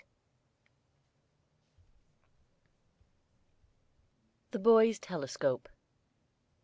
] THE BOY'S TELESCOPE.